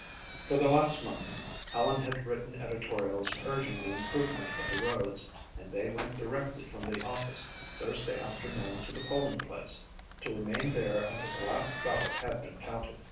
For the last month Helen had written editorials urging the improvement of the roads and they went directly from the office Thursday afternoon to the polling place to remain there until the last ballot had been counted.